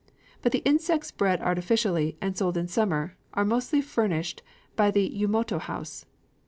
But the insects bred artificially, and sold in summer, are mostly furnished by the Yumoto house.